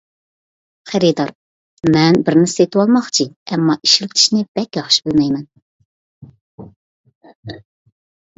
خېرىدار: مەن بىرنى سېتىۋالماقچى، ئەمما ئىشلىتىشنى بەك ياخشى بىلمەيمەن.